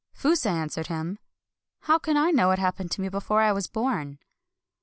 " Fusa answered him :— "How can I know what happened to me before I was born